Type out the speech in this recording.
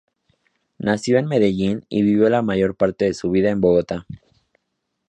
Nació en Medellín y vivió la mayor parte de su vida en Bogotá.